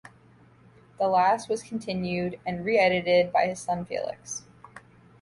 The last was continued and re-edited by his son Felix.